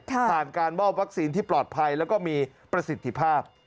ผ่านการมอบวัคซีนที่ปลอดภัยแล้วก็มีประสิทธิภาพ